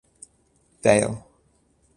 Vaile.